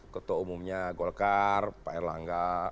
ketua umumnya golkar pak erlangga